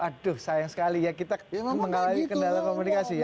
aduh sayang sekali ya kita mengalami kendala komunikasi ya